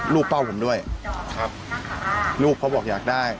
เป้าผมด้วยครับลูกเขาบอกอยากได้